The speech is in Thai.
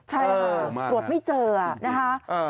ใช่ค่ะตรวจไม่เจอนะคะ